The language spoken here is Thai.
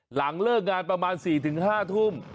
หลังเลิกงานประมาณ๔๕ทุ่ม